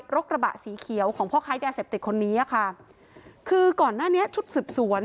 กระบะสีเขียวของพ่อค้ายาเสพติดคนนี้ค่ะคือก่อนหน้านี้ชุดสืบสวน